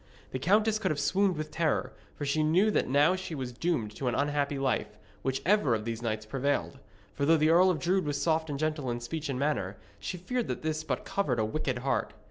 The countess could have swooned with terror, for she knew that now she was doomed to an unhappy life, whichever of these knights prevailed. For though the Earl of Drood was soft and gentle in speech and manner, she feared that this but covered a wicked heart.